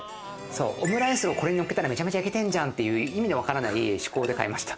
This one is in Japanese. オムライスをこれにのっけたらメチャメチャイケてんじゃんっていう意味のわからない趣向で買いました。